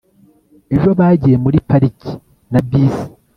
ejo bagiye muri pariki na bisi